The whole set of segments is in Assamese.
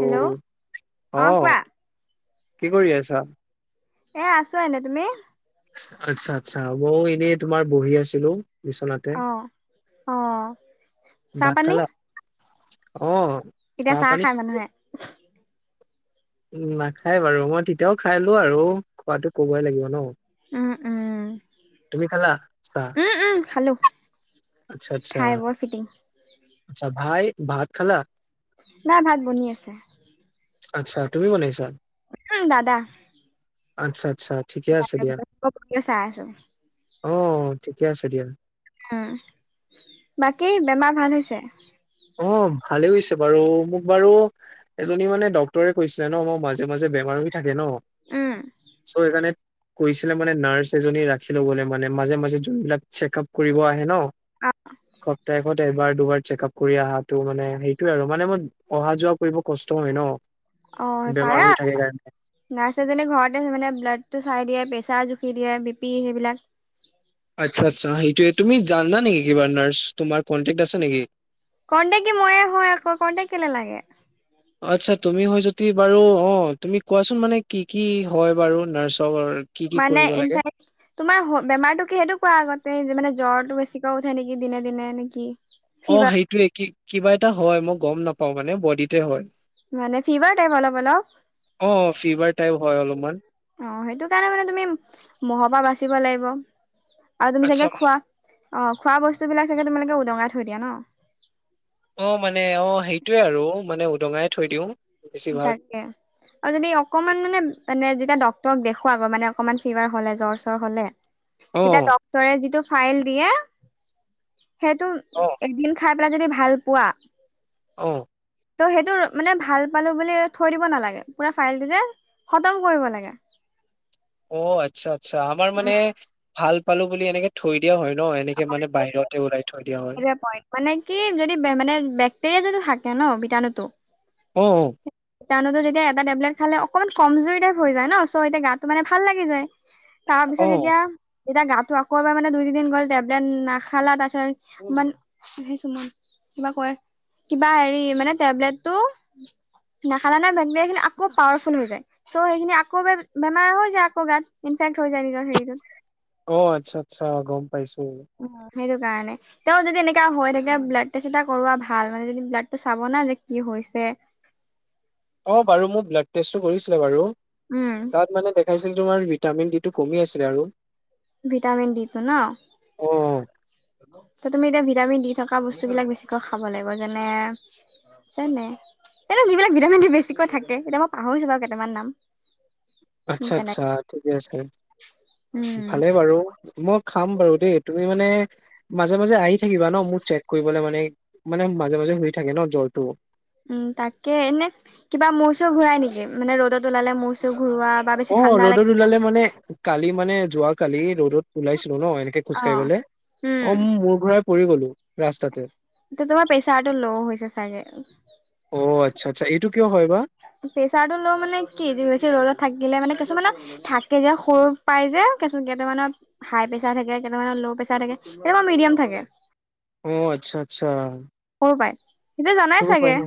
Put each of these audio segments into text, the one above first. হেল্ল' অঁ কোৱা অ' কি কৰি আছা এ আছো এনে তুমি আচ্ছা আচ্ছা মইও এনেই তোমাৰ বহি আছিলো বিছনাতে অ অ চাহ ভাট পানী খালা আহ এতিয়া চাহ খায় মানুহে উম নাখায় বাৰু মই তেতিয়াও খাই লো আৰু খোৱাাতো কবই লাগিব ন উম উম তুমি খালা চাহ? উম উম খালো আচ্ছা আচ্ছা খাই বৈ ফিটিং আচ্ছা ভাই ভাত খালা নাই ভাত বনি আছে আচ্ছা তুমি বনাইছা উম দাদা আচ্ছা আচ্ছা ঠিকে আছে দিয়া। চাই আছো অ ঠিকে আছে দিয়া উ বাকী বেমাৰ ভাল হৈছে অ' ভালে হৈছে বাৰু মোক বাৰু এজনী মানে ডক্তৰে কৈছিলে ন মই মাজে মাজে বেমাৰ থাক ন উম চ' এখে কৈছিলে মানে নাৰ্ছ এজনী ৰাখি ল'বলে মানে মাজে মাজে যোনবিলাক চেক আপ কৰিব আহে ন অ সপ্তাহত এবাৰ দুবাৰ চেকপ কৰি অহাটো মানে সেইটোয়ে আৰু মানে মই অহা যোৱা কৰিব কষ্ট হয় ন অ বেমাৰ পাৰা হৈ থাকে কাৰণে নাৰ্চ এজনী ঘৰতে মানে ব্লাড টো চাই দিয়ে প্ৰেছাৰ জো ঠি দিয়ে বিপি সেইবিলাক আচ্ছা আচ্ছা সেইটোোৱে তুমি জান না নেকি কিবা নাৰছ তোমাৰ কন্টেক্ট আছে নেকি কটে কি ময়ে হয় আকৌ কতেে কেলে লাগে আচ্ছা তুমি হয় যদি বাৰু অ তুমি কোৱাচোন মানে কি কি হয় বাৰু নাৰ্চ মানে ইনফেক্ তোমাৰ বেমাৰতটো কি সেইেতু ক আগতে মানে জ্বৰ স বেি ক উ থ নে কি দিনে দিননে নেকি অ ফিভাৰ সেইটোয়ে কিবা এটা হয় মই গম নাপাও মানে বডিতে হয় মানে চিবা টাইপ অলপ অলপ তাই হয় অলপমান অ সেইটো কাৰণে মানে তুমি মহৰ পৰা বাচিব লাগিব আৰু তুমি আচ্ছা চাগে খোৱা অঁ খোৱা বস্তু বিলাক চাগে তুমালোকে উদঙাই থৈ দিয়া ন অঁ মানে অঁ সেইটোৱে আৰু মানে উদঙাই থৈ দিওঁ বেছিভাগ তাকে আৰু যদি অকমান মানে মানে যেতিয়া ক দেখো আকৌ মানে অকমান ফিভাৰ হলে জ্বৰ চৰ হলে অ তেতিয়া ডক্টৰে যিটো ফাইল দিয়ে সেইটো অ এদিন খাই পেলাই যদি ভাল পোৱা অঁ ত' সেইটো মানে ভাল পালো বুলি থৈ দিব নালাগে পুৰা ফাইলটো যে সতম কৰিব লাগে অ আচ্ছা আচ্ছা আমাৰ মানে উম ভাল পালো বুলি এনেকে থৈ এয়া হয় ন এনেক মানে বাহতে ওলাই থো সটোে পইট মানে কি যদি মানে বেক্টেৰিয়া যদি থাকে ন বিতণুটো উম তেনতো তেতিয়া এ টেবলেট খালে অকণমান কমজুৰি টাইপ হৈ যায় ন চ' এতিয়া গাটো মানে ভাল লাগি যায় তাৰ পিছত অ এতিয়া এতিয়া গাটো আকৌ এবাৰ মানে দুই তিনি দিন গ'ল টেবলেট নাখালা তাৰ পিছত মান সেই চু মন কিবা ক কিবা হেৰি মানে টেবলেটটো নাখালা নে বেক্টেৰিয়া খিনি আকৌ পাৱাৰফুল হৈ যায় চ' সেইখিনি আকৌ বেমাৰ হৈ যায় আকৌ গাত ইে থৈ যায় নিজৰ হেৰিটোত অঁ আচ্ছা আচ্ছা গম পাইছো সেইটো কাৰণে তেওঁ যদি এনেকা হৈ থাকে ব্লাড টেষ্ট এটা কৰোৱা ভাল মানে যদি ব্লাড টো চাব না যে কি হয় [unintelligible] অঁ বাৰু মোৰ ব্লাড টেষ্ট কৰিছিলে বাৰু উম তাত মানে চাইছিল তোমাৰ ভিটামিন ডি টো কমি আছিলে আৰু ভিটামিন ডিটো ন অ ত তুমি এতিয়া ভিটামিন দি থকা বস্তুবিলাক বেছিকৈ খাব লাগিব যেনে যেনে যিবিলাক ভিটামিন দি বেছিকৈ থাকে এতিয়া মই পাহৰিছো বাৰু কেইটামান নাম আচ্ছা আচ্ছা তেনেকে ঠিকে আছে উম ভালে বাৰু মোক খাম বাৰু দেই তুমি মানে মাজে মাজে আহি থাকিবা ন মোৰ চেক কৰিবলে মানে মানে মাজে মাজে হই থাকে ন জ্বৰটো উম তাকে এনে কিবা মূৰ চুৰ ঘূৰাই নেকি মানে ৰ'দত ওলালে মূৰ চুৰ ঘূৰোৱা বা বেছি অঁ ঠাণ্ডা লাগে ৰ'দত ওলালে মানে কালি মানে যোৱ কালি ৰ'দত ওলাইছিলো ন এনেকে অ খোজ কাঢ়িবলৈ উম অ মূৰ ঘুৰাই পৰি গলো ৰাস্তাতে তোমাৰ প্ৰেচাৰটো ল' হৈছে চাগে অ আচ্ছা আচ্ছা এইটো কিয় হয় বা প্ৰেচাৰ টো ল' মানে কি ৰ'দত থাকিলে মানে কিছুমানে থাকে যে সৰু পাই যে কেইটামানত হাই প্ৰেছাৰ থাকে কেইটামানৰ ল' প্ৰেছাৰ থাকে কেইয়াবা মিডিয়াম থাকে অঁ আচ্ছা আচ্ছা সৰু পাই সেইটো জানাই সৰু হয় চাগে ন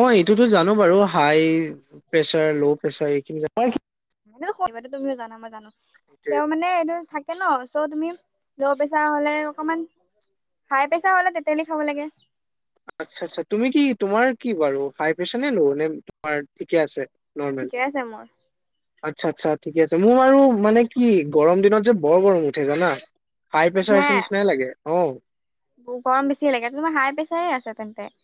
অ এইটোতো জানো বাৰু হাই- -প্ৰেছাৰ ল' প্ৰেছাৰ এইখিনি যা [unintelligible] কে ন চ' সেইটোৱে। তুমি ল বেচাৰ হলে অকমান হাই প্ৰেছাৰ হ'লে তেতেলি খাব লাগে। আচ্ছা আচ্ছা তুমি কি তোমাৰ কি বাৰু হাই প্ৰেছাৰ নে ল' নে তোমাৰ ঠিকে আছে। নৰ্মেল ঠিকে আছে মোৰ। আচ্ছা আচ্ছা ঠিকে আছে মোৰ বাৰু মানে কি গৰম দিনত যে বৰ গৰম উঠে জানা। হাই প্ৰেছাৰৰ হে হৈছে নিচিনাই লাগে অঁ গৰম বেছি লাগে তোমাৰ হাই প্ৰেছাৰে আছে তেন্তে।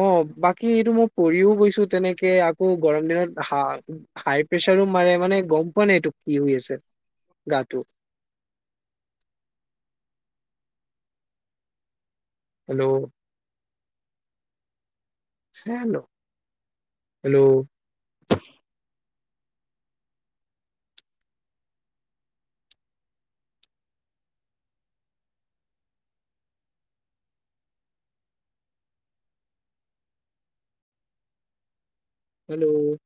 অঁ বাকী এইটো মই কৰিও গৈছো তেনেকে আকৌ গৰম দিনত হা- হাই প্ৰেছাৰো মাৰে মানে গম পোৱানাই এইটো কি হৈ আছে গাটো হেল্ল' হেল্ল হেল্ল' হেল্ল'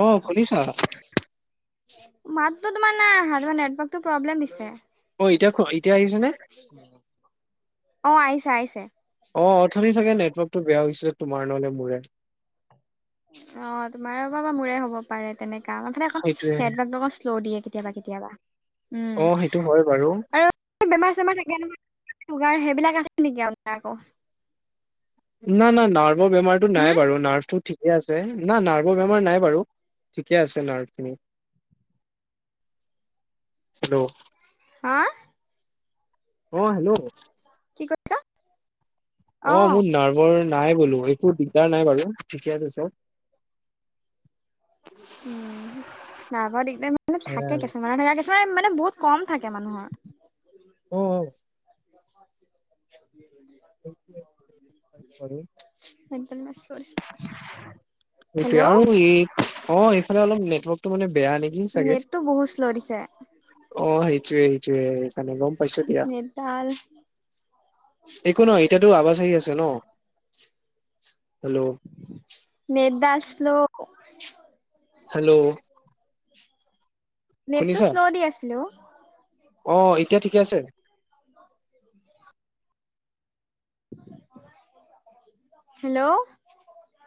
অঁ শুনিছা মাতটো তোমাৰ নাই অহা তোমাৰ নেটৱৰ্কটোই প্ৰব্লেম দিছে। অ এতিয়া কোৱা এতিয়া আহিছে নে? অ আহিছে আহিছে। অ অথনি চাগে নেটৱৰ্কটো বেয়া হৈছিলে তোমাৰ নহলে মোৰে অ তোমাৰ পৰা বা মোৰে হ'ব পাৰে তেনেকোৱা অথনি অকন সেইটোয়ে নেটৱৰ্ক শ্ল' দিয়ে কেতিয়াবা কেতিয়াবা অ সেইটো হয় বাৰু উম আৰু বেমাৰ- চেমাৰ থাকে নহয় চুগাৰ সেইবিলাক আছে নেকি আপোনাৰ আকৌ না না নাৰ্ভৰ বেমাৰটো নাই হম বাৰু নাৰ্ভটো ঠিক ঠিকে আছে না নাৰ্ভৰ বেমাৰ নাই বাৰু ঠিকে আছে নাৰ্ভ খিনি হেল্ল' হা অ হেল্ল' কি কৈছ অ মোৰ নাৰ্ভৰ নাই বোলো একো দিগদাৰ নাই বাৰু ঠিকে আছে চব। উম নাৰ্ভৰ দিগদাৰ মানে চব থাকে কিছুমানৰ ধৰা কিছুমানৰ মানে বহুত কম থাকে মানুহৰ। অ অ [unintelligible] [unintelligible] সেইটোয়ে হেল্ল' আৰু এই অ এইফালে অলপ নেটৱৰ্কটো মানে বেয়া নেকি চাগে, নেটটো বহুত শ্ল' দিছে অ সেইটোয়ে সেইকাৰণে গম পাইছো দিয়া নেটডাল একো নহয় এতিয়াটো আৱাজ আহি আছে ন হেল্ল' নেটদাল শ্ল হেল্ল' নেটটো শুনিছা শ্ল' দি আছিলে ও অ এতিয়া ঠিকে আছে হেল্ল'